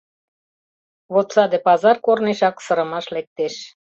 Вот саде пазар корнешак сырымаш лектеш.